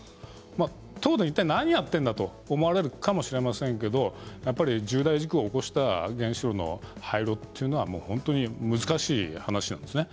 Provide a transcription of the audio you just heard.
東電はいったい何をやっているんだと思われるかもしれませんけれど重大事故を起こした原子炉の廃炉は難しい話なんですね。